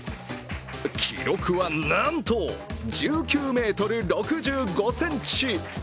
記録はなんと１９ｍ６５ｃｍ！